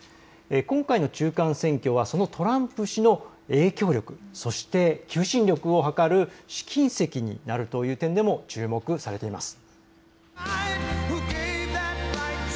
今回の中間選挙はそのトランプ氏の影響力、そして求心力をはかる試金石になるという点でも注目されています。